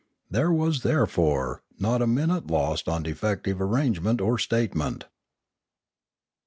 There was, there fore, not a minute lost on defective arrangement or statement.